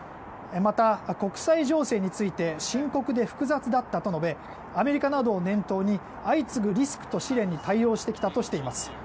また、国際情勢について深刻で複雑だったと述べアメリカなどを念頭に相次ぐリスクと試練に対応してきたとしています。